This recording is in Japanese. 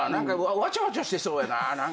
わちゃわちゃしてそうやな何か。